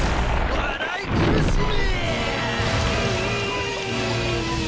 笑い苦しめ！